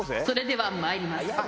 それではまいります。